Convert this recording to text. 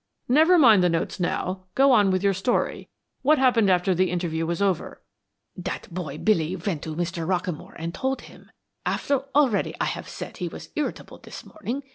"Never mind the notes now. Go on with your story. What happened after the interview was over?" "That boy Billy went to Mr. Rockamore and told him. Already I have said he was irritable this morning.